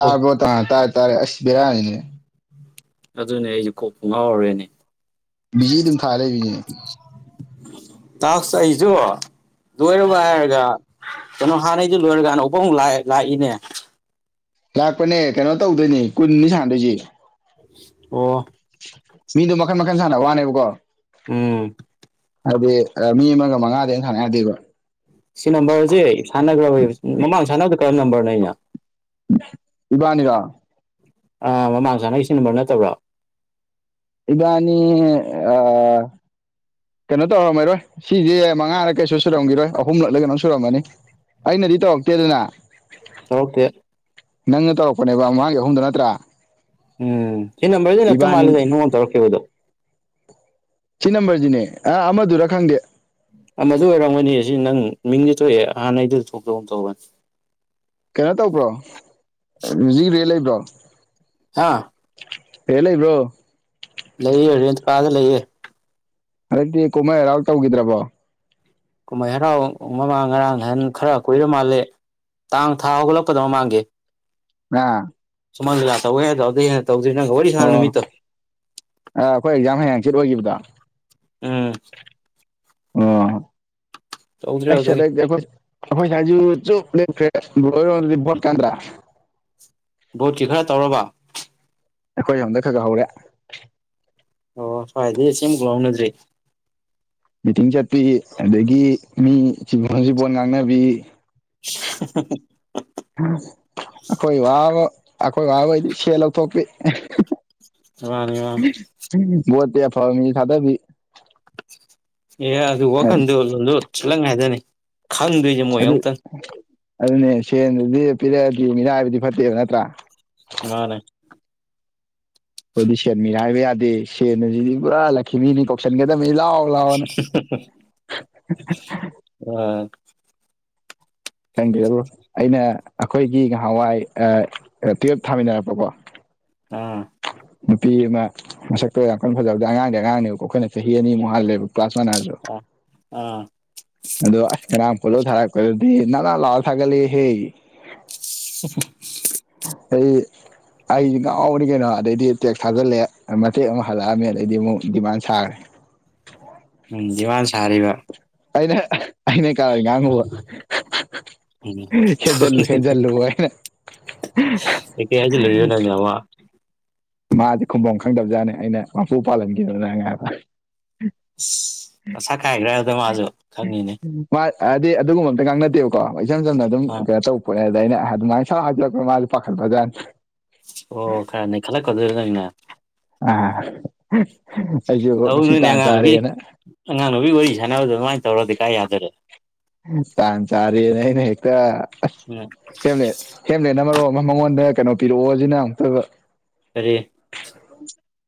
ꯑꯣ ꯇꯥ ꯇꯥꯔꯦ ꯇꯥꯔꯦ ꯑꯁ ꯕꯤꯔꯥꯅꯤꯅꯦ ꯑꯗꯨꯅꯦ ꯑꯩꯁꯨ ꯀꯣꯛꯄꯨ ꯉꯥꯎꯔꯨꯔꯦꯅꯦ ꯕꯤꯖꯤ ꯑꯗꯨꯝ ꯊꯥꯔ ꯂꯩꯕꯤꯅꯦ ꯇꯥꯛꯁ ꯑꯩꯖꯨ ꯂꯣꯏꯔꯕ ꯍꯥꯏꯔꯒ ꯀꯩꯅꯣ ꯍꯥꯟꯅꯩꯖꯤ ꯂꯣꯏꯔꯒ ꯑꯅꯧꯕ ꯑꯃꯨꯛ ꯂꯥꯛꯑꯦ ꯂꯥꯛꯏꯅꯦ ꯂꯥꯛꯄꯅꯦ ꯀꯩꯅꯣ ꯇꯧꯗꯣꯏꯅꯦ ꯀꯨꯟꯅꯤ ꯁꯥꯟꯅꯗꯣꯏꯁꯦ ꯑꯣ ꯃꯤꯗꯣ ꯃꯈꯟ ꯃꯈꯟ ꯁꯥꯟꯅꯕ ꯋꯥꯅꯦꯕꯀꯣ ꯎꯝ ꯍꯥꯏꯗꯤ ꯑꯥ ꯃꯤ ꯑꯃꯒ ꯃꯉꯥꯗꯩ ꯍꯦꯟꯅ ꯁꯥꯟꯅ ꯌꯥꯗꯦꯕ ꯁꯤ ꯅꯝꯕꯔꯁꯦ ꯁꯥꯟꯅꯈ꯭ꯔꯕ ꯌꯦꯡꯉꯨ ꯃꯃꯥꯡ ꯁꯥꯟꯅꯕꯗ ꯀꯔꯝꯕ ꯅꯝꯕꯔꯅꯣ ꯑꯩꯅ ꯏꯕꯥꯟꯅꯤꯔꯣ ꯑꯥ ꯃꯃꯥꯡ ꯁꯥꯟꯅꯩ ꯁꯤ ꯅꯝꯕꯔ ꯅꯠꯇꯕ꯭ꯔꯣ ꯏꯕꯥꯅꯤ ꯑꯥ ꯀꯩꯅꯣ ꯇꯧꯔꯝꯃꯩꯔꯣꯏ ꯁꯤꯖꯦ ꯃꯉꯥꯔꯛ ꯀꯩꯁꯨ ꯁꯨꯔꯝꯒꯤꯔꯣꯏ ꯑꯍꯨꯝꯂꯛꯂ ꯀꯩꯅꯣꯝ ꯁꯨꯔꯝꯃꯅꯤ ꯑꯩꯅꯗꯤ ꯇꯧꯔꯛꯇꯦꯗꯅ ꯇꯧꯔꯛꯇꯦ ꯅꯪꯅ ꯇꯧꯔꯛꯄꯅꯦꯕ ꯃꯃꯥꯡꯒꯤ ꯑꯍꯨꯝꯗꯣ ꯅꯠꯇ꯭ꯔꯥ ꯎꯝ ꯁꯤ ꯅꯝꯕꯔꯁꯤ ꯅꯥꯛꯇ ꯏꯕꯥꯅꯤ ꯃꯥꯜꯂꯤꯗ ꯑꯩꯅ ꯅꯉꯣꯟ ꯇꯧꯔꯛꯈꯤꯕꯗꯣ ꯁꯤ ꯅꯝꯕꯔꯁꯤꯅꯦ ꯑꯥ ꯑꯃꯗꯨꯔꯥ ꯈꯪꯗꯦ ꯑꯃꯗꯣ ꯑꯣꯏꯔꯝꯒꯅꯤꯌꯦ ꯁꯤ ꯅꯪ ꯃꯤꯡꯖꯦ ꯊꯣꯛꯑꯦ ꯑꯍꯥꯟꯕꯩꯗꯨ ꯊꯣꯛꯇꯒꯨꯝ ꯇꯧꯕꯅꯤ ꯀꯩꯅꯣ ꯇꯧꯕ꯭ꯔꯣ [unintelligible] ꯔꯦꯟ ꯂꯩꯕ꯭ꯔꯣ ꯍꯥꯥ ꯔꯦꯟꯠ ꯂꯩꯕ꯭ꯔꯣ ꯂꯩꯌꯦ ꯔꯦꯟꯠ ꯀꯥꯗ ꯂꯩꯌꯦ ꯍꯟꯗꯛꯇꯤ ꯀꯨꯝꯍꯩ ꯍꯔꯥꯎ ꯇꯧꯒꯤꯗ꯭ꯔꯕꯣ ꯀꯨꯝꯍꯩ ꯍꯔꯥꯎ ꯃꯃꯥꯡ ꯉꯔꯥꯡ ꯅꯍꯥꯟ ꯈꯔ ꯀꯨꯏꯔ ꯃꯥꯜꯂꯦ ꯇꯥꯡ ꯊꯥ ꯍꯧꯒꯠꯂꯛꯄꯗꯣ ꯃꯃꯥꯡꯒꯤ ꯑꯥ ꯁꯨꯃꯥꯡ ꯂꯤꯂꯥ ꯇꯧꯋꯦ ꯑꯗꯨꯗꯩ ꯍꯦꯟꯅ ꯇꯧꯗ꯭ꯔꯤ ꯅꯪꯒ ꯋꯥꯔꯤ ꯁꯥꯥꯟꯅ ꯑꯣ ꯅꯨꯃꯤꯠꯇꯣ ꯑ ꯑꯩꯈꯣꯏ ꯑꯦꯛꯖꯥꯝ ꯍꯌꯦꯡ ꯍꯥꯡꯆꯤꯠ ꯑꯣꯏꯈꯤꯕꯗꯣ ꯎꯝ ꯑꯣ ꯇꯧꯗ꯭ꯔꯦ ꯑꯩꯁ ꯑꯗꯨꯗꯒꯤ ꯑꯗꯩꯗꯤ ꯑꯈꯣꯏ ꯑꯩꯈꯣꯏ ꯁ꯭ꯋꯥꯏꯖꯨ ꯆꯨꯞ ꯂꯦꯞꯈ꯭ꯔꯦ ꯕ꯭ꯔꯣ ꯍꯣꯏꯔꯣꯝꯗꯤ ꯚꯣꯠ ꯀꯟꯗ꯭ꯔꯥ ꯚꯣꯠꯀꯤ ꯈꯔ ꯇꯧꯔꯕ ꯑꯩꯈꯣꯏꯔꯣꯝꯗ ꯈꯔ ꯈꯔ ꯍꯧꯔꯦ ꯑꯣ ꯁ꯭ꯋꯥꯏꯗꯤ [unintelligible] ꯍꯧꯅꯗ꯭ꯔꯤ ꯃꯤꯇꯤꯡ ꯆꯠꯄꯤ ꯑꯗꯒꯤ ꯃꯤ ꯆꯤꯕꯣꯟ ꯆꯤꯕꯣꯟ ꯉꯥꯡꯅꯕꯤ ꯑꯩꯈꯣꯏ ꯋꯥꯕꯨ ꯑꯩꯈꯣꯏ ꯋꯥꯕꯨꯗꯤ ꯁꯦꯜ ꯂꯧꯊꯣꯛꯄꯤ ꯃꯥꯟꯅꯤ ꯃꯥ ꯚꯣꯠꯇꯤ ꯑꯐꯕ ꯃꯤ ꯊꯥꯗꯕꯤ ꯑꯦ ꯑꯗꯨ ꯋꯥꯈꯟꯗꯣ ꯂꯣꯟ ꯆꯤꯜꯂꯥꯏꯗꯅꯤ ꯈꯪꯗꯣꯏ ꯑꯗꯨ ꯑꯗꯨꯅꯦ ꯁꯦꯟꯗꯨꯗꯤ ꯄꯤꯔꯛꯑꯗꯤ ꯃꯤꯔꯥꯏꯕꯗꯤ ꯐꯠꯇꯦꯕ ꯅꯠꯇ꯭ꯔꯥ ꯃꯥꯅꯦ ꯑꯩꯈꯣꯏꯗꯤ ꯁꯦꯟ ꯃꯤꯔꯥꯏꯕ ꯌꯥꯗꯦ ꯁꯦꯟꯑꯁꯤꯗꯤ ꯄꯨꯔꯥ ꯂꯛꯈꯤꯃꯤꯅꯤ ꯀꯧꯁꯟꯒꯗꯕꯅꯤ ꯂꯥꯎ ꯂꯥꯛꯑꯣꯅ ꯎꯝ ꯈꯪꯗꯦꯕꯣ ꯑꯩꯅ ꯑꯩꯈꯣꯏꯒꯤ ꯉꯍꯥꯟꯋꯥꯏ ꯇꯨꯌꯦꯜꯞ ꯊꯥꯃꯤꯟꯅꯔꯛꯄꯀꯣ ꯑꯥ ꯅꯨꯄꯤ ꯑꯃ ꯃꯁꯛꯇꯣ ꯌꯥꯝ ꯀꯟꯅ ꯐꯖꯕꯗꯤ ꯑꯉꯥꯡꯗꯤ ꯑꯉꯥꯡꯅꯦꯕꯣ ꯑꯩꯈꯣꯏꯅ ꯆꯍꯤ ꯑꯅꯤꯃꯨꯛ ꯍꯜꯂꯦꯕ ꯀ꯭ꯂꯥꯁ ꯃꯥꯟꯅꯔꯁꯨ ꯑꯥ ꯑꯥ ꯑꯗꯨ ꯑꯁ ꯉꯔꯥꯡ ꯐꯣꯇꯣ ꯊꯒꯠꯂꯛꯄꯗꯗꯤ ꯅꯥꯞ ꯅꯥꯞ ꯂꯥꯎꯔꯥ ꯊꯒꯠꯂꯛꯑꯦꯍꯦ ꯁꯤꯐꯔ [unintelligible] ꯑꯩ [unintelligible] ꯑꯩꯁꯨ ꯉꯥꯎꯕꯅꯤ ꯀꯩꯅꯣ ꯑꯗꯩꯗꯤ ꯇꯦꯛꯁ ꯊꯥꯖꯤꯜꯂꯦ ꯃꯇꯦꯛ ꯑꯃ ꯍꯜꯂꯛꯑꯝꯃꯦ ꯑꯗꯩꯗꯤ ꯑꯃꯨꯛ ꯗꯤꯃꯥꯟ ꯁꯥꯈ꯭ꯔꯦ ꯎꯝ ꯗꯤꯃꯥꯟ ꯁꯥꯔꯤꯕ ꯑꯩꯅ ꯑꯩꯅ ꯀꯥꯔꯟ ꯉꯥꯡꯉꯨꯕ ꯎꯝ ꯍꯦꯖꯜ ꯍꯦꯖꯜꯂꯨꯕ ꯑꯩꯅ ꯀꯩꯀꯩ ꯍꯥꯏꯖꯤ ꯂꯨꯔꯤꯕ ꯅꯪꯅ ꯑꯃ ꯃꯥꯗꯤ ꯈꯨꯝꯕꯝ ꯈꯪꯗꯕꯖꯥꯠꯅꯦ ꯑꯩꯅ ꯃꯄꯨ ꯄꯥꯜꯍꯟꯈꯤꯅꯨ ꯅꯪ ꯍꯥꯏꯕ ꯑꯁ ꯑꯁꯥ ꯀꯥꯏꯈ꯭ꯔꯦ ꯑꯗꯨꯗ ꯃꯥꯁꯨ ꯈꯪꯉꯤꯅꯦ ꯃꯥ ꯑꯗꯤ ꯑꯗꯨꯒꯨꯝꯕ ꯑꯝꯇ ꯉꯥꯡꯅꯗꯦꯕꯀꯣ ꯏꯆꯝ ꯆꯝꯅ ꯑꯗꯨꯝ ꯑꯥ ꯀꯩꯅꯣ ꯇꯧꯕ ꯗꯩꯅ ꯑꯗꯨꯃꯥꯏꯅ ꯁꯔ ꯍꯥꯏꯖꯤꯜ ꯂꯛꯄ ꯃꯥꯁꯨ ꯄꯥꯈꯠꯄ ꯖꯥꯠꯅꯦ ꯑꯣ ꯈꯔ ꯅꯩꯈꯜꯂꯛꯀꯗꯣꯏꯔ ꯅꯪꯅ ꯑ ꯑꯩꯁꯨ ꯉꯁꯤ ꯇꯧꯅꯨꯅꯦ ꯇꯥꯟ ꯑꯉꯥꯡ ꯅꯨꯕꯤ ꯆꯥꯔꯦꯅ ꯑꯉꯥꯡ ꯅꯨꯕꯤ ꯋꯥꯔꯤ ꯁꯥꯟꯅꯕꯗ ꯑꯗꯨꯃꯥꯏꯅ ꯇꯧꯔꯗꯤ ꯀꯥꯏ ꯌꯥꯗꯨꯔꯤ ꯇꯥꯟ ꯆꯥꯔꯦꯅ ꯑꯩꯅ ꯍꯦꯛꯇ ꯎꯝ ꯍꯦꯝ ꯍꯦꯝꯂꯦꯠꯅ ꯃꯔꯣ ꯑꯃ ꯃꯉꯣꯟꯗ ꯀꯩꯅꯣ ꯄꯤꯔꯛꯑꯣ ꯁꯤꯅ ꯑꯃꯨꯛꯇꯣꯏꯕ ꯀꯔꯤ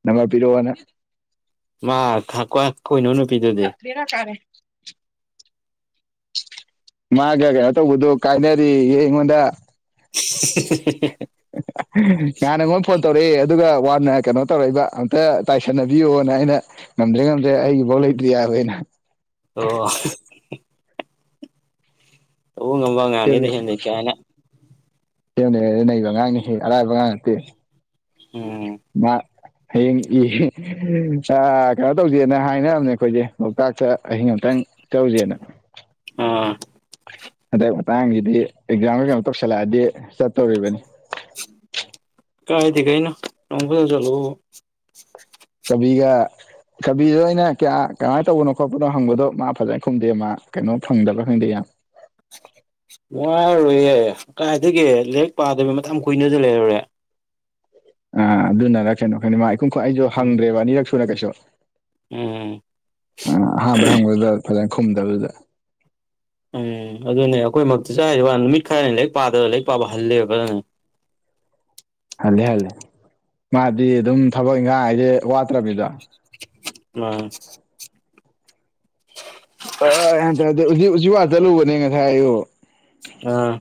ꯅꯝꯕꯔ ꯄꯤꯔꯑꯣꯅ ꯃꯥ ꯈ ꯀ꯭ꯋꯥ ꯀꯣꯏꯅꯕ ꯅꯨꯄꯤꯗꯨꯗꯤ ꯕꯦꯔꯥ ꯀꯥꯔꯦ ꯃꯥꯒ ꯀꯩꯅꯣ ꯇꯧꯕꯗꯣ ꯀꯥꯏꯅꯔꯦꯌꯦ ꯑꯩꯉꯣꯟꯗ [inaudible] ꯅꯍꯥꯟꯅ ꯑꯩꯉꯣꯟꯗ ꯐꯣꯟ ꯇꯧꯔꯛꯑꯦ ꯑꯗꯨꯒ ꯋꯥꯅ ꯀꯩꯅꯣ ꯇꯧꯔꯛꯏꯕ ꯑꯝꯇ ꯇꯥꯏꯁꯟꯅꯕꯤꯌꯣꯅ ꯑꯩꯅ ꯉꯝꯗ꯭ꯔꯦ ꯉꯝꯗ꯭ꯔꯦ ꯑꯩꯒꯤꯐꯥꯎ ꯂꯩꯇ꯭ꯗꯤ ꯍꯥꯏꯕ ꯑꯩꯅ ꯑꯣ ꯇꯧꯕ ꯉꯝꯕ ꯑꯉꯥꯡꯅꯤꯗ ꯍꯦꯝꯂꯦꯠ ꯀꯥꯏꯅ ꯍꯦꯝꯂꯦꯠ ꯀꯥꯏꯁꯦ ꯅꯩꯕ ꯑꯉꯥꯡꯅꯤ ꯍꯦ ꯑꯔꯥꯏꯕ ꯑꯉꯥꯡ ꯅꯠꯇꯦ ꯎꯝ [inaudible] ꯍꯌꯦꯡ ꯏ ꯆꯥ ꯀꯩꯅꯣ ꯇꯧꯖꯦꯅ ꯍꯥꯏꯅꯝꯅꯦ ꯑꯩꯈꯣꯏꯖꯦ ꯂꯣꯛꯇꯥꯛꯇ ꯑꯍꯤꯡ ꯑꯇꯪ ꯆꯧꯖꯦꯅ ꯑ ꯍꯟꯗꯛ ꯃꯇꯥꯡꯖꯤꯗꯤ ꯑꯦꯛꯖꯥꯝꯒ ꯀꯅꯣ ꯇꯧꯁꯜꯂꯑꯗꯤ ꯆꯠꯇꯣꯔꯤꯕꯅꯤ ꯀꯥꯏꯗꯦ ꯀꯩꯅꯣ ꯅꯣꯡ ꯐꯥꯗꯣꯛ ꯆꯂꯨꯕꯕꯨ ꯇꯧꯕꯤꯒ ꯊꯕꯤꯗꯣ ꯑꯩꯅ ꯀꯌꯥ ꯀꯃꯥꯏ ꯇꯧꯕꯅꯣ ꯈꯣꯠꯄꯅꯣ ꯍꯪꯕꯗꯣ ꯃꯥ ꯐꯖ ꯈꯨꯝꯗꯦ ꯃꯥ ꯀꯩꯅꯣ ꯐꯪꯗꯕ꯭ꯔꯥ ꯈꯪꯗꯦ ꯌꯥꯝ ꯋꯥꯔꯣꯏꯌꯦ ꯀꯥꯏꯗꯒꯦ ꯂꯤꯔꯤꯛ ꯄꯥꯗꯕ ꯃꯇꯝ ꯀꯨꯏꯅꯖꯨ ꯂꯩꯔꯨꯔꯦ ꯑꯥ ꯑꯗꯨꯅꯔ ꯀꯩꯅꯣ ꯈꯪꯗꯦ ꯃꯥ ꯏꯈꯨꯝꯈꯨ ꯑꯩꯖꯨ ꯎꯝ ꯍꯪꯗ꯭ꯔꯦꯕ ꯑꯅꯤꯔꯛ ꯁꯨꯅ ꯀꯩꯁꯨ ꯎꯝ ꯑ ꯑꯍꯥꯟꯕ ꯍꯪꯕꯗꯨꯗ ꯐꯖꯅ ꯈꯨꯝꯗꯕꯗꯨꯗ ꯎꯝ ꯑꯗꯨꯅꯦ ꯑꯈꯣꯏꯃꯛꯇ ꯆꯥꯔꯤꯕ ꯅꯨꯃꯤꯠ ꯈꯔꯅꯤ ꯂꯥꯏꯔꯤꯛ ꯄꯥꯗꯕ ꯂꯥꯏꯛ ꯄꯥꯕ ꯍꯜꯂꯦꯕ ꯐꯖꯅ ꯍꯜꯂꯦ ꯍꯂꯦ ꯃꯥꯗꯤ ꯑꯗꯨꯝ ꯊꯕꯛ ꯏꯪꯒꯥꯡ ꯍꯥꯏꯖꯦ ꯋꯥꯠꯇ꯭ꯔꯝꯅꯤꯗꯣ [unintelligible] [unintelligible] ꯍꯟꯇꯛ [unintelligible] ꯎꯆꯤ ꯎꯆꯤꯋꯥ ꯆꯠꯂꯨꯕꯅꯦ ꯉꯁꯥꯏ ꯑꯌꯨꯛ ꯑꯥ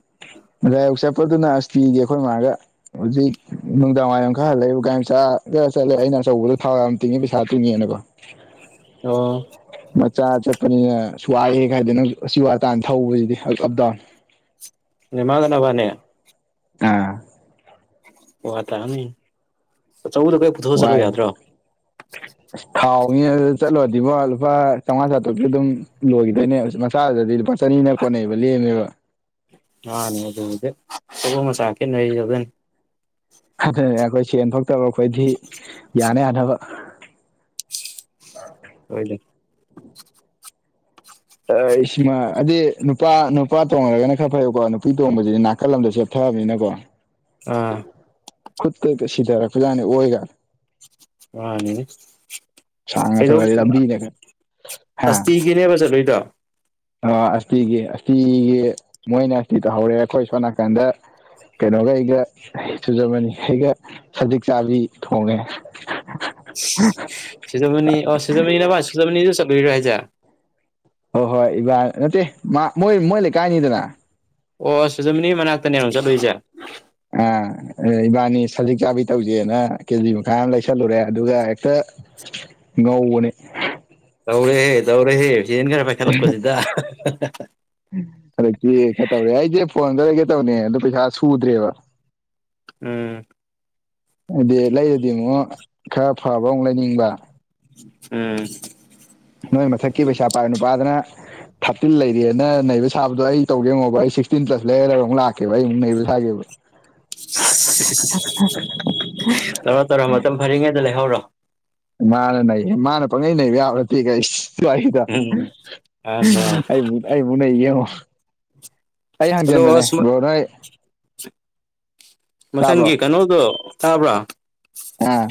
ꯉꯁꯥꯏ ꯑꯌꯨꯛ ꯆꯠꯄꯗꯨꯅ ꯑꯁꯇꯤꯒꯤ ꯑꯈꯣꯏ ꯃꯥꯒ ꯍꯨꯖꯤꯛ ꯅꯨꯡꯗꯥꯡꯋꯥꯏꯝ ꯈ ꯍꯜꯂꯦ ꯒꯥꯔꯤ ꯃꯆꯥꯗ ꯆꯠꯂꯦ ꯑꯩꯅ ꯑꯆꯧꯕꯗꯣ ꯊꯥꯎ ꯌꯥꯝ ꯇꯤꯡꯉꯦ ꯄꯩꯁꯥ ꯇꯤꯡꯉꯦꯅꯀꯣ [inaudible] ꯑꯣ ꯃꯆꯥ ꯆꯠꯄꯅꯤꯅ ꯑꯁ ꯋꯥꯏꯌꯦ ꯀꯥꯏꯗꯅꯣ ꯎꯆꯤꯋꯥ ꯇꯥꯟ ꯊꯧꯕꯖꯤꯗꯤ ꯑꯞꯗꯥꯎꯟ ꯅꯦꯃꯥꯒ ꯅꯕꯅꯦ ꯑꯥ ꯋꯥ ꯇꯥꯝꯅꯤ ꯑꯆꯧꯕꯗꯣ ꯈ ꯄꯨꯊꯣꯛꯑ ꯆꯠꯂꯣ ꯌꯥꯗ꯭ꯔꯣ [inaudible] ꯊꯥꯎꯅꯤ ꯑꯗꯨꯗ ꯆꯠꯂꯨꯔꯗꯤꯕꯣ ꯂꯨꯄꯥ ꯆꯧꯉꯥ ꯆꯥꯇ꯭ꯔꯨꯛꯇꯤ ꯑꯗꯨꯝ ꯂꯣꯏꯒꯤꯗꯣꯏꯅꯦ ꯃꯆꯥꯗꯨꯗꯗꯤ ꯂꯨꯄꯥ ꯆꯅꯤꯅ ꯀꯣꯟꯅꯩꯕ ꯂꯦꯝꯃꯦꯕ ꯃꯥꯅꯦ ꯑꯗꯨꯕꯨꯗꯤ ꯑꯆꯧꯕ ꯃꯆꯥ ꯈꯦꯠꯅꯔꯤꯁꯦ ꯑꯗꯨꯅꯤ [unintelligible] ꯑꯈꯣꯏ ꯁꯦꯟ ꯊꯣꯛꯇꯕ ꯑꯈꯣꯏꯗꯤ ꯌꯥꯅ ꯌꯥꯅꯕ ꯍꯣꯏꯅꯦ ꯑꯥ ꯁꯤꯃ ꯑꯗꯤ ꯅꯨꯄꯥ ꯅꯨꯄꯥ ꯇꯣꯡꯂꯒꯅ ꯈꯔ ꯐꯩꯀꯣ ꯅꯨꯄꯤ ꯇꯣꯡꯕꯖꯤꯗꯤ ꯅꯥꯀꯜꯂꯝꯗ ꯆꯦꯞ ꯊꯕꯅꯤꯅꯀꯣ ꯑꯥ ꯈꯨꯠꯀ ꯁꯤꯗꯔꯛꯄꯖꯥꯠꯅꯤ ꯑꯣꯏꯒ ꯋꯥꯅꯤꯅꯦ ꯁꯥꯡꯅ ꯊꯧꯔꯗꯤ ꯂꯝꯕꯤꯅꯒ [unintelligible] ꯑꯁꯇꯤꯒꯤꯅꯦꯕ ꯆꯠꯂꯨꯏꯗꯣ ꯑꯣ ꯑꯁꯇꯤꯒꯤ ꯑꯁꯤꯇꯤꯒꯤ ꯃꯣꯏꯅ ꯑꯇꯤ ꯇꯧꯍꯧꯔꯦ ꯑꯈꯣꯏ ꯁꯣꯝ ꯅꯥꯀꯟꯗ ꯀꯩꯅꯣꯒ ꯑꯩꯒ ꯆꯨꯖꯕꯅꯤ ꯑꯩꯒ ꯁꯖꯤꯛ ꯆꯥꯕꯤ ꯊꯣꯡꯉꯦ ꯁꯤꯖꯃꯅꯤ ꯑꯣ ꯁꯨꯖꯃꯅꯤ ꯅꯕ ꯁꯨꯖꯃꯅꯤꯗꯨ ꯆꯠꯂꯨꯏꯔꯣ ꯍꯥꯏꯁꯦ ꯍꯣꯏ ꯍꯣꯏ ꯏꯕꯥ ꯅꯠꯇꯦ ꯃꯥ ꯃꯣꯏ ꯃꯣꯏ ꯂꯩꯀꯥꯏꯅꯤꯗꯅ ꯑꯣ ꯁꯨꯖꯃꯤꯅꯤ ꯃꯅꯥꯛꯇꯅꯦꯕ ꯆꯠꯂꯨꯏꯖꯦ ꯎꯝ ꯑꯦ ꯏꯕꯥꯅꯤ ꯁꯖꯤꯛ ꯆꯥꯕꯤ ꯇꯧꯖꯦꯅ ꯀꯦꯖꯤ ꯃꯈꯥꯏ ꯑꯃ ꯂꯩꯁꯜꯂꯨꯔꯦ ꯑꯗꯨꯒ ꯍꯦꯛꯇ ꯒꯧꯕꯅꯦ ꯇꯧꯔꯦꯍꯦ ꯇꯧꯔꯦꯍꯦ [unintelligible] ꯈꯔ ꯄꯥꯏꯈꯠꯂꯛꯄꯖꯤꯗ [unintelligible] ꯍꯟꯗꯛꯇꯤ ꯈꯔ ꯇꯧꯔꯦ ꯑꯩꯗꯤ ꯐꯣꯟꯗ ꯂꯩꯒꯦ ꯇꯧꯅꯦ ꯑꯗꯣ ꯄꯩꯁꯥ ꯁꯨꯗ꯭ꯔꯦꯕ [inaudible] [unintelligible] ꯎꯝ ꯑꯗꯤ ꯂꯩꯔꯗꯤ ꯑꯃꯣ ꯈꯔ ꯐꯕ ꯑꯃꯨꯛ ꯂꯩꯅꯤꯡꯕ ꯎꯝ ꯅꯣꯏ ꯃꯊꯛꯀꯤ ꯄꯩꯁꯥ ꯄꯥꯏ ꯅꯨꯄꯥꯗꯨꯅ ꯊꯥꯔꯇꯤꯟ ꯂꯩꯔꯑꯦꯅ ꯅꯩꯕ ꯁꯥꯕꯗꯣ ꯑꯩ ꯇꯧꯒꯦ ꯌꯦꯡꯉꯣꯕ ꯑꯩ ꯁꯤꯛꯁꯇꯤꯟ ꯄ꯭ꯂꯁ ꯂꯩꯔ ꯑꯃꯨꯛ ꯂꯥꯛꯀꯦꯕ ꯑꯩ ꯑꯃꯨꯛ ꯅꯩꯕ ꯁꯥꯒꯦꯕ [inaudible] [unintelligible] ꯇꯧꯔꯣ ꯇꯧꯔꯣ ꯃꯇꯝ ꯐꯔꯤꯉꯩꯗ ꯂꯩꯍꯧꯔꯣ ꯃꯥꯅ ꯅꯩꯌꯦ ꯃꯥꯅ ꯄꯪꯅꯩ ꯅꯩꯕ ꯌꯥꯕ ꯅꯠꯇꯦ ꯍꯩꯁ ꯁ꯭ꯋꯥꯏꯖꯤꯗ ꯎꯝ ꯑ ꯑꯩ ꯃꯨ ꯑꯩ ꯃꯨꯛ ꯅꯩꯒꯦ ꯌꯦꯉꯣ ꯑꯩ ꯑꯗꯣ ꯍꯟꯖꯟꯕꯅꯦ ꯑꯁ [unintelligible] ꯃꯊꯪꯒꯤ ꯀꯩꯅꯣꯗꯣ ꯇꯥꯕ꯭ꯔꯥ ꯑꯥ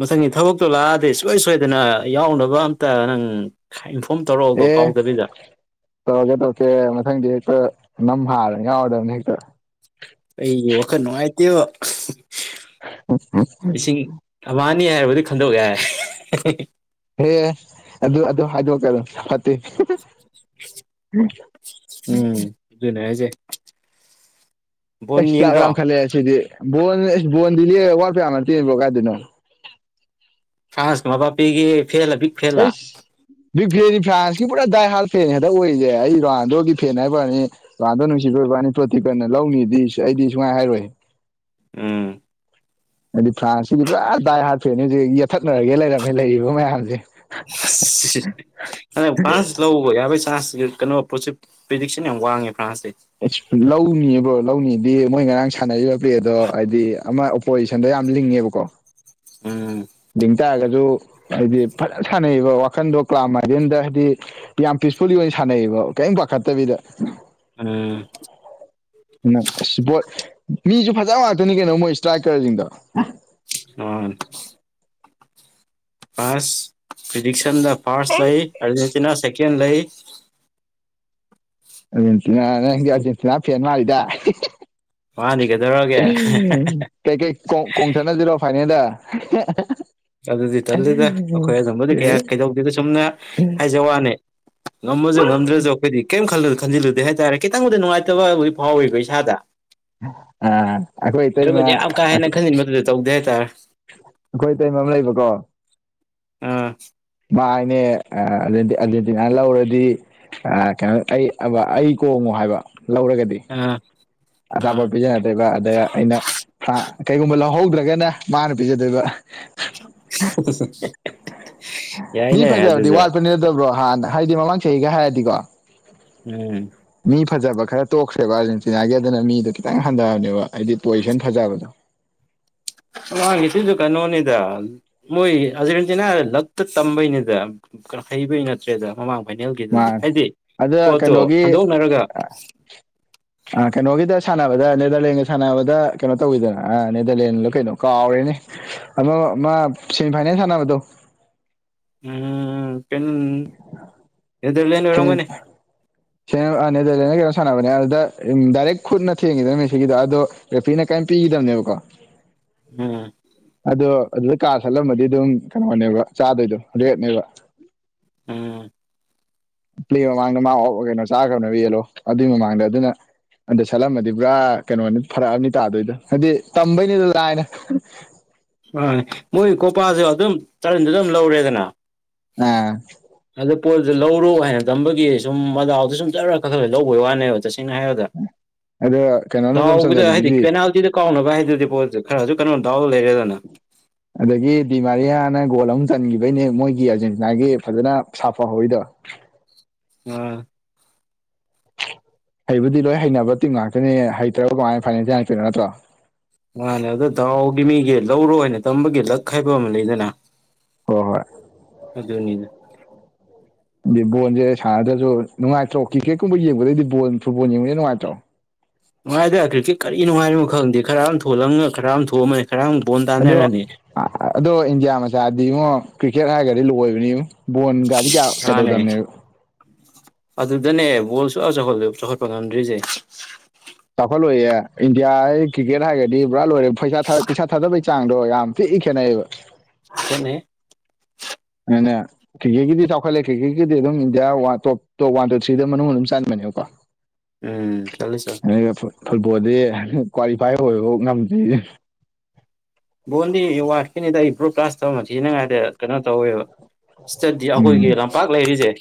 ꯃꯊꯪꯒꯤ ꯊꯕꯛꯇꯣ ꯂꯥꯛꯑꯗꯤ ꯁꯨꯁꯣꯏ ꯁꯣꯏꯗꯅ ꯌꯥꯎꯅꯕ ꯑꯝꯇ ꯅꯪ ꯈꯥ ꯏꯟꯐꯣꯝ ꯇꯧꯔꯛꯑꯣꯕ ꯑꯦ ꯀꯥꯎꯗꯕꯤꯗ ꯇꯧꯔꯛꯀꯦ ꯇꯧꯀꯦ ꯃꯊꯪꯗꯤ ꯍꯦꯛꯇ ꯅꯝ ꯍꯥꯔ ꯌꯥꯎꯔꯗꯝꯅꯦ ꯍꯦꯛꯇ ꯑꯩꯒꯤ ꯋꯥꯈꯜ ꯅꯨꯡꯉꯥꯏꯇꯦꯕ [inaudible] ꯊꯕꯥꯅꯤ ꯍꯥꯏꯔꯕꯨꯗꯤ ꯈꯟꯗꯣꯛ ꯌꯥꯏ ꯑꯦ ꯑꯗꯨ ꯑꯗꯨ ꯍꯥꯏꯗꯣꯛꯀꯅꯣ ꯐꯠꯇꯦ [unintelligible] ꯎꯝ ꯑꯗꯨꯅꯦ ꯍꯥꯏꯖꯦ ꯑꯩꯁ ꯆꯥꯛ ꯂꯥꯝꯈꯠꯂꯑꯦ ꯑꯁꯤꯗꯤ ꯕꯣꯜ ꯕꯣꯟꯗꯗꯤ ꯋꯥꯠꯄ ꯌꯥꯝ ꯅꯠꯇꯦ ꯕ꯭ꯔꯣ ꯀꯥꯏꯗꯩꯅꯣ ꯐ꯭ꯔꯥꯟꯁ ꯃꯕꯥꯞꯄꯦꯒꯤ ꯐꯦꯜꯂ ꯕꯤꯛ ꯐꯦꯜꯂ ꯑꯩꯁ ꯕꯤꯛ ꯐꯦꯟꯅꯤ ꯐ꯭ꯔꯥꯟꯁꯀꯤ ꯄꯨꯔꯥ ꯗꯥꯏ ꯍꯥꯜ ꯐꯦꯟ ꯍꯦꯛꯇ ꯑꯣꯏꯔꯤꯖꯦ ꯑꯩ ꯔꯣꯅꯥꯟꯗꯣꯒꯤ ꯐꯦꯟ ꯍꯥꯏꯞꯋꯥꯅꯤ ꯔꯣꯅꯥꯟꯗꯣ ꯅꯨꯡꯁꯤꯕꯩ ꯑꯣꯏꯕ꯭ꯋꯥꯅꯤ ꯇꯣꯇꯤꯄꯦꯟꯅ ꯂꯧꯅꯤꯗꯤ ꯑꯩꯗꯤ ꯁꯨꯍꯥꯏ ꯍꯥꯏꯔꯣꯏꯍꯦ ꯑꯥ ꯑꯩꯗꯤ ꯐ꯭ꯔꯥꯟꯁꯁꯤꯗꯤ ꯄꯨꯔꯥ ꯗꯥꯏ ꯍꯥꯔꯠ ꯐ‌ꯦꯟꯅ‌ꯦ ꯍꯧꯖꯤꯛ ꯌꯦꯠꯊꯠꯅꯔꯒꯦ ꯂꯩ ꯔꯃꯦ ꯂꯩꯔꯤꯕ ꯃꯌꯥꯝꯖꯦ ꯇ꯭ꯔꯧꯕ ꯌꯥꯕꯩ ꯆꯥꯟꯁꯇꯤ ꯀꯩꯅꯣ ꯄꯣꯁꯤꯞ ꯄ꯭ꯔꯤꯗꯤꯛꯁꯟ ꯌꯥꯝ ꯋꯥꯡꯉꯦ ꯐ꯭ꯔꯥꯟꯁꯁꯦ ꯂꯧꯅꯤ ꯕ꯭ꯔꯣ ꯂꯧꯅꯤꯗꯤ ꯃꯣꯏ ꯉꯔꯥꯡ ꯁꯥꯟꯅꯔꯤꯕ ꯄꯂ‌ꯦꯗ‌ꯣ ꯍꯥꯏꯗꯤ ꯑꯃꯥ ꯄꯣꯖꯤꯁꯟꯗꯣ ꯌꯥꯝ ꯂꯤꯡꯉꯦꯕꯀꯣ ꯎꯝ ꯗꯤꯡ ꯇꯥꯔꯒꯖꯨ ꯍꯥꯏꯗꯤ ꯐꯖꯟ ꯁꯥꯟꯅꯩꯌ‌ꯦꯒꯣ ꯋꯥꯈꯟꯗꯣ ꯀ꯭ꯂꯥ ꯃꯥꯏꯗꯦꯟꯗ ꯍꯥꯏꯗꯤ ꯌꯥꯝ ꯄꯤꯁꯐꯨꯜꯂꯤ ꯑꯣꯏ ꯁꯥꯟꯅꯩꯌꯦꯕ ꯀꯩꯝ ꯄꯥꯈꯠꯇꯕꯤꯗ ꯎꯝ [inaudible] ꯅꯥ ꯑꯁ ꯕꯣꯠ ꯃꯤꯖꯨ ꯐꯖꯕ ꯉꯥꯛꯇꯅꯤ ꯀꯩꯅꯣ ꯃꯣꯏ ꯏꯁꯇ꯭ꯔꯥꯏꯀꯔꯖꯤꯡꯗ‌ꯣ ꯎꯝ ꯑꯁ ꯄ꯭ꯔꯤꯗꯤꯛꯁꯟꯗ ꯐꯥꯔꯁ ꯂꯩ ꯑꯥꯔꯖꯦꯟꯇꯤꯅ ꯁꯦꯀꯦꯟ ꯂꯩ ꯑ‍꯭ꯔꯖ‌ꯦꯟꯇꯤꯅ ꯅꯪꯗꯤ ꯑ‍꯭ꯔꯖ‌ꯦꯟꯇꯤꯅ ꯐ‌ꯦꯟ ꯃꯥꯜꯂꯤꯗ ꯃꯥꯅꯤ ꯀꯩꯗꯧꯔꯒꯦ ꯀꯩ ꯀꯩ ꯀꯣꯡ ꯀꯣꯡꯊꯅꯖꯤꯔꯣ ꯐꯥꯏꯅꯦꯜꯗ [unintelligible] ꯑꯗꯨꯗꯤ ꯇꯜꯂꯤꯗ ꯑꯩꯈꯣꯏ ꯑꯗꯨꯝꯕꯗꯤ ꯀꯌꯥ ꯀꯩꯗꯧꯗꯦꯗ ꯆꯨꯝꯅ ꯍꯥꯏꯖ ꯋꯥꯅꯦ ꯉꯝꯃꯁꯨ ꯉꯝꯗ꯭ꯔꯁꯨ ꯑꯩꯈꯣꯏꯗꯤ ꯀꯩꯝ ꯈꯜꯂꯨ ꯈꯟꯖꯤꯜꯂꯨꯗꯦ ꯍꯥꯏꯇꯥꯔꯦ ꯈꯤꯇꯪꯕꯨꯗꯤ ꯉꯥꯏꯇꯕ ꯐꯥꯎꯋꯦꯕ ꯏꯁꯥꯗ꯫ ꯑꯥ ꯑꯩꯈꯣꯏ ꯏꯇꯩꯃ ꯅꯠꯇ꯭ꯔꯒꯗꯤ ꯌꯥꯝ ꯀꯥ ꯍꯦꯟꯅ ꯈꯟꯖꯤꯟꯕꯗꯨꯗꯤ ꯇꯧꯗꯦ ꯍꯥꯏꯇꯥꯔꯦ꯫ ꯑꯩꯈꯣꯏ ꯏꯇꯩꯩꯃ ꯑꯃ ꯂꯩꯕꯀꯣ꯫ ꯑꯥ꯫ ꯃꯥꯥ ꯍꯥꯏꯅꯦ ꯑꯔꯖꯦꯟꯇꯤꯅꯥ ꯂꯧꯔꯗꯤ ꯃꯥ ꯑꯥ ꯀꯩꯅꯣ ꯑꯩ ꯑꯕ ꯑꯩ ꯀꯣꯡꯉꯣ ꯍꯥꯏꯕ ꯂꯧꯔꯒꯗꯤ꯫ ꯑꯥ꯫ ꯑꯥ ꯑꯆꯥꯄ‌ꯣꯠ ꯄꯤꯖꯗꯣꯏꯕ ꯑꯗ ꯑꯩꯅ꯫ ꯀꯩꯒꯨꯝꯕ ꯂꯧꯍꯧꯗ꯭ꯔꯒꯅ ꯃꯥꯅ ꯄꯤꯖꯗꯣꯏꯕ꯫ [unintelligible] ꯃꯤ ꯌꯥꯏꯅꯦ ꯐꯖꯕꯗꯤ ꯑꯗꯨꯁꯨ ꯋꯥꯠꯄꯅꯤꯗꯕ꯭ꯔꯣ ꯍꯥꯟꯅ ꯍꯥꯏꯗꯤ ꯃꯃꯥꯡ ꯆꯍꯤꯒ ꯍꯥꯏꯔꯗꯤꯀꯣ꯫ ꯎꯝ꯫ ꯃꯤ ꯐꯖꯕ ꯈꯔ ꯇꯣꯛꯈ꯭ꯔꯦꯕ ꯑꯥꯔꯖꯦꯟꯇꯤꯅꯥꯒꯤ ꯑꯗꯨꯅ ꯃꯤꯗꯣ ꯈꯤꯇꯪ ꯍꯟꯊꯕꯅꯦꯕ ꯍꯥꯏꯗꯤ ꯄꯣꯖꯤꯁꯟ ꯐꯖꯕꯗꯣ꯫ ꯃꯃꯥꯡꯒꯤꯁꯨ ꯀꯩꯅꯣꯅꯤꯗ ꯃꯣꯏ ꯑꯖꯦꯟꯇꯤꯅꯥ ꯂꯛꯇ ꯇꯝꯕꯩꯅꯤꯗ꯫ ꯍꯩꯕꯩ ꯅꯠꯇ꯭ꯔꯦꯗ ꯃꯃꯥꯡ ꯐꯥꯏꯅꯦꯜꯒꯤꯗꯨꯗꯤ ꯃꯥꯅꯦ ꯍꯥꯏꯗꯤ ꯄꯣꯠꯇꯣ ꯍꯟꯗꯣꯛꯅꯔꯒ꯫ [inaudible] ꯑ ꯀꯩꯅꯣꯒꯤꯗ ꯁꯥꯟꯅꯕꯗ ꯅꯦꯗꯔꯂꯦꯟꯒ ꯁꯥꯟꯅꯕꯗ ꯀꯩꯅꯣ ꯇꯧꯋꯤꯗꯅ ꯑ ꯅꯦꯗꯔꯂꯦꯟꯂ‌ꯣ ꯀꯩꯅꯣ ꯀꯥꯎꯔꯦꯅꯦ꯫ ꯑꯃꯥ ꯃꯥ ꯁꯦꯃꯤ ꯐꯥꯏꯅꯦꯜ ꯁꯥꯟꯅꯕꯗꯣ꯫ ꯎꯝ ꯄꯤꯟ [unintelligible] ꯁꯤꯝ ꯑ ꯅ‌ꯦꯗ꯭ꯔꯂ‌ꯦꯟ ꯒꯔꯥ ꯀꯩꯅꯣ ꯁꯥꯟꯅꯕꯅꯦ ꯑꯗꯨꯗ ꯗꯥꯏꯔꯦꯛ ꯈꯨꯠꯅ ꯊꯦꯡꯉꯤꯗꯅ ꯃ‌‌ꯦꯁꯤ ꯒꯤꯗ‌ꯣ ꯑꯗꯣ ꯔ‌ꯦꯐ꯭ꯔꯤꯅ ꯀꯩꯝ ꯄꯤꯒꯤꯗꯃꯅꯦꯕꯀꯣ꯫ ꯎꯝ ꯑꯗꯣ ꯑꯗꯨꯗ ꯀꯥ ꯁꯠꯂꯝꯃꯗꯤ ꯑꯗꯨꯝ ꯀꯩꯅꯣꯅꯦꯕ ꯆꯥꯗꯣꯏꯗꯣ ꯔꯦꯠꯅꯦꯕ꯫ ꯎꯝ꯫ ꯄ꯭ꯂꯦ ꯃꯃꯥꯡꯗ ꯃꯥ ꯑꯣ ꯀꯩꯅꯣ ꯆꯥꯒ꯭ꯔꯕꯅ‌ꯦꯕ ꯌꯦꯜꯂꯣ ꯑꯗꯨꯏ ꯃꯃꯥꯡꯗ ꯑꯗꯨꯅ꯫ ꯑꯗ ꯁꯠꯂꯝꯃꯗꯤ ꯄꯨꯔꯥ ꯀꯩꯅꯣꯅꯤ ꯐꯔ꯭ꯛꯑꯕꯅꯤ ꯇꯥꯗꯣꯏꯗꯣ ꯍꯥꯏꯗꯤ ꯇꯝꯕꯩꯅꯤꯗ ꯂꯥꯏꯅ꯫ ꯑꯥ ꯃꯣꯏ ꯀꯣꯄꯥꯁꯨ ꯑꯗꯨꯝ ꯇꯔꯟꯗ ꯑꯗꯨꯝ ꯂꯧꯔꯦꯗꯅ꯫ ꯑꯥ꯫ ꯑꯗꯨ ꯄꯣꯔꯁꯨ ꯂꯧꯔꯣ ꯍꯥꯏꯅ ꯇꯝꯕꯒꯤ ꯁꯨꯝ ꯃꯗꯥꯎꯗꯣ ꯁꯨꯝ ꯆꯔꯒ ꯀꯛ ꯈꯠꯂ ꯂꯧꯕꯩ ꯋꯥꯅꯦꯕ ꯇꯁꯦꯡꯅ ꯍꯥꯏꯔ ꯑꯗꯣ ꯀꯩꯅꯣꯅ ꯑꯗꯨꯝ ꯗꯥꯎꯒꯤꯗ ꯍꯥꯏꯗꯤ ꯆꯟꯖꯜꯂꯤꯗꯨꯗꯤ ꯄꯦꯅꯥꯜꯇꯤꯗ꯫ ꯀꯥꯎꯅꯕ ꯍꯥꯏꯗꯨꯗꯤ ꯄꯣꯠꯁꯦ ꯈꯔꯁꯨ ꯀꯩꯅꯣ ꯗꯥꯎ ꯂꯩꯔꯦꯗꯅ꯫ ꯑꯗꯒꯤ ꯗꯤꯃꯥꯔꯤꯌꯥꯅ ꯒꯣꯜ ꯑꯃ ꯆꯟꯈꯤꯕꯩꯅꯦ ꯃꯣꯏꯒꯤ ꯑꯥꯔꯖꯦꯟꯇꯤꯅꯥꯒꯤ ꯐꯖꯅ ꯁꯥꯐ ꯍꯧꯔꯤꯗꯣ꯫ ꯑꯥ꯫ ꯍꯩꯕꯨꯗꯤ ꯂꯣꯏ ꯍꯩꯅꯕ ꯇꯤꯝ ꯉꯥꯛꯇꯅꯦ ꯍꯩꯇ꯭ꯔꯒ ꯀꯃꯥꯏꯅ ꯐꯥꯏꯅꯦꯜ ꯆꯉꯛꯇꯣꯏꯅ ꯅꯠꯇ꯭ꯔꯣ꯫ ꯃꯥꯅꯦ ꯑꯗ ꯗꯥꯥꯎꯒꯤ ꯃꯤꯒꯤ ꯂꯧꯔꯣ ꯍꯥꯏꯅ ꯇꯝꯕꯒꯤ ꯂꯛ ꯍꯥꯏꯕ ꯑꯃ ꯂꯩꯗꯅ꯫ ꯍꯣꯏ ꯍꯣꯏ꯫ ꯑꯗꯨꯅꯤꯗ꯫ ꯑꯗꯨ ꯕꯣꯜꯁꯦ ꯁꯥꯟꯅꯗ꯭ꯔꯁꯨ ꯅꯨꯡꯉꯥꯏꯇ꯭ꯔꯣ ꯀꯤꯛꯀꯦꯠꯀꯨꯝꯕ ꯌꯦꯡꯕꯗꯩꯗꯤ ꯕꯣꯜ ꯐꯨꯠꯕꯣꯜ ꯌꯦꯡꯕ ꯅꯨꯡꯉꯥꯏꯇ꯭ꯔꯣ꯫ ꯅꯨꯡꯉꯥꯏꯗꯦ ꯀ꯭ꯔꯤꯀꯦꯠ ꯀꯔꯤ ꯅꯨꯡꯉꯥꯏꯔꯤꯅꯣ ꯈꯪꯗꯦ ꯈꯔ ꯑꯝ ꯊꯣꯜꯂꯝꯒ ꯈꯔ ꯑꯃ ꯊꯣꯛꯃꯅꯤ ꯈꯔ ꯑꯃ ꯕꯣꯜ ꯑꯗꯣ ꯇꯥꯟꯅꯔꯅꯤ꯫ ꯑꯗꯣ ꯏꯟꯗꯤꯌꯥ ꯃꯆꯥꯗꯤ ꯉꯣ ꯀ꯭ꯔꯤꯛꯀꯦꯠ ꯍꯥꯏꯔꯒꯗꯤ ꯂꯣꯏꯕꯅꯤꯉꯣ꯫ ꯕꯣꯟꯒꯥꯗꯤ ꯀꯌꯥ ꯃꯥꯅꯦ ꯀꯩꯗꯧꯗꯝꯅꯦꯕ꯫ ꯑꯗꯨꯗꯅꯦ ꯕꯣꯜꯁꯨ ꯑ ꯆꯥꯎꯈꯠꯂ ꯆꯥꯎꯈꯠꯄ ꯉꯝꯗ꯭ꯔꯤꯖꯦ꯫ ꯆꯥꯎꯈꯠꯂꯣꯏꯌꯦ ꯏꯟꯗꯤꯌꯥ ꯑꯩ ꯀꯔꯤꯀꯦꯠ ꯍꯥꯏꯔꯒꯗꯤ ꯄꯨꯔꯥ ꯂꯣꯏꯔꯦ ꯄꯩꯁꯥ ꯄꯩꯁꯥ ꯊꯥꯗꯕꯩ ꯆꯥꯡꯗꯣ ꯌꯥꯝ ꯊꯤ ꯈꯦꯠꯅꯩꯑꯕ꯫ ꯈꯦꯠꯅꯩ꯫ ꯅꯦꯅꯦ꯫ ꯀꯤꯒꯦꯒꯤꯗꯤ ꯆꯥꯎꯈꯠꯂꯦ ꯀꯤꯒꯦꯒꯤꯗꯤ ꯑꯗꯨꯝ India one top top one two ꯊ꯭ꯔꯤꯗ ꯃꯅꯨꯡ ꯑꯗꯨꯝ ꯆꯟꯕꯅꯦꯀꯣ꯫ [inaudible] ꯎꯝ ꯆꯜꯂꯤ ꯆꯜ ꯑꯩꯅ ꯐꯨꯠꯕꯣꯜꯗꯤ ꯀ꯭ꯋꯥꯂꯤꯐꯥꯏ ꯑꯣꯏꯕꯐꯥꯎ ꯉꯝꯗ꯭ꯔꯤꯖꯤ꯫ ꯕꯣꯟꯗꯤ ꯋꯥꯠꯀꯤꯅꯤꯗ ꯑꯩ ꯕ꯭ꯔꯣꯗꯀꯥꯁ ꯇꯧ ꯊꯤꯅꯉꯥꯏꯗ ꯀꯩꯅꯣ ꯇꯧꯋꯦꯕ꯫ ꯏꯁꯇꯗꯤ ꯑꯈꯣꯏꯒꯤ ꯎꯝ ꯂꯝꯄꯥꯛ ꯂꯩꯔꯤꯖꯦ꯫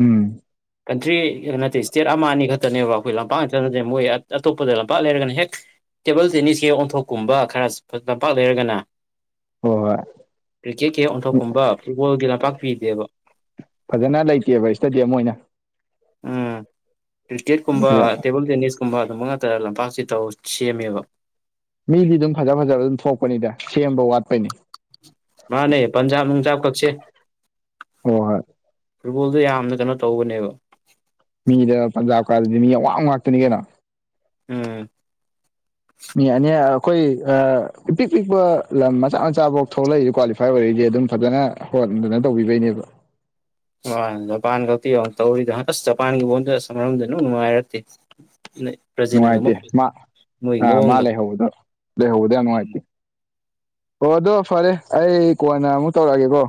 ꯎꯝ ꯀꯟꯇ꯭ꯔꯤ ꯅꯠꯇꯦ ꯏꯁꯇꯦꯠ ꯑꯃ ꯑꯅꯤ ꯈꯛꯇꯅꯦꯕ ꯑꯩꯈꯣꯏ ꯂꯝꯄꯥꯛ ꯉꯛꯇ ꯅꯠꯇꯦ ꯃꯣꯏ ꯑꯇꯣꯞꯄꯗ ꯂꯝꯄꯥꯛ ꯂꯩꯔꯒꯅ ꯍꯦꯛ ꯇꯦꯕꯜ ꯇꯦꯅꯤꯁ ꯀꯤ ꯑꯣꯟꯊꯣꯛꯀꯨꯝꯕ ꯈꯔ ꯂꯝꯄꯥꯛ ꯂꯩꯔꯒꯅ꯫ ꯍꯣꯏ ꯍꯣꯏ꯫ ꯀ꯭ꯔꯤꯀꯦꯠꯀꯤ ꯍꯦꯛ ꯑꯣꯟꯊꯣꯛꯀꯨꯝꯕ ꯐꯨꯠꯕꯣꯜꯒꯤ ꯂꯝꯄꯥꯛ ꯄꯤꯗꯦꯕ꯫ ꯐꯖꯅ ꯂꯩꯇꯦꯕ ꯏꯁꯇꯗ꯭ꯌꯝ ꯑꯣꯏꯅ꯫ ꯎꯝ ꯀ꯭ꯔꯤꯀꯦꯠ ꯀꯨꯝꯕ ꯐꯖ ꯇꯦꯕꯜ ꯇꯦꯅꯤꯁ ꯀꯨꯝꯕ ꯑꯗꯨꯝꯕ ꯉꯥꯛꯇ ꯂꯝꯄꯥꯛꯁꯤ ꯇꯧ ꯁꯦꯝꯃꯦꯕ꯫ ꯃꯤꯗꯤ ꯑꯗꯨꯝ ꯐꯖ ꯐꯖꯕ ꯑꯗꯨꯝ ꯊꯣꯛꯄꯅꯤꯗ ꯁꯦꯝꯕ ꯋꯥꯠꯄꯩꯅꯤ꯫ ꯃꯥꯅꯦ ꯄꯟꯖꯥꯕ ꯅꯨꯡꯖꯥꯕ ꯀꯛꯁꯦ꯫ ꯍꯣ ꯍꯣꯏ꯫ ꯔꯨꯕꯣꯜꯗꯣ ꯌꯥꯝꯅ ꯀꯩꯅꯣ ꯇꯧꯕꯅꯦꯕ꯫ ꯃꯤꯗ ꯄꯟꯖꯥꯕ ꯀꯥꯁꯤꯗꯤ ꯃꯤ ꯑꯋꯥꯡ ꯉꯥꯛꯇꯅꯤ ꯀꯩꯅꯣ꯫ ꯎꯝ꯫ ꯃꯤ ꯑꯅꯝ ꯑꯈꯣꯏ ꯑꯥ ꯏꯄꯤꯛ ꯄꯤꯛꯄ ꯂꯝ ꯃꯆꯥ ꯃꯆꯥꯐꯧ ꯊꯣꯛꯂꯛꯏ ꯀ꯭ꯋꯥꯂꯤ ꯐꯥꯢ ꯑꯣꯢꯔꯛꯢꯖꯦ ꯑꯗꯨꯝ ꯐꯖꯅ ꯍꯣꯠ ꯇꯧꯕꯤꯕꯩꯅꯦꯕ꯫ ꯃꯥꯅꯦ ꯖꯄꯥꯟ ꯒꯛꯇꯤ ꯌꯦꯡꯉꯣ ꯇꯧꯔꯤꯗꯨ ꯑꯁ ꯖꯄꯥꯟꯒꯤ ꯕꯣꯟꯗ ꯑꯁ ꯃꯔꯝꯗ ꯏꯅꯨꯡꯉꯥꯏꯔꯛꯇꯦ꯫ [unintelligible] ꯅꯨꯡꯉꯥꯏꯇꯦ ꯃꯥ ꯑ ꯃꯥ ꯃꯑꯣꯡꯗꯣ ꯂꯩꯍꯧꯕꯗꯣ ꯂꯩꯍꯧꯕꯗꯣ ꯌꯥꯝ ꯎꯝ ꯅꯨꯡꯉꯥꯏꯇꯦ꯫ ꯑꯣ ꯑꯗꯣ ꯐꯔꯦ ꯑꯩ ꯀꯣꯟꯅ ꯑꯃꯨꯛ ꯇꯧꯔꯛꯑꯒꯦꯀꯣ꯫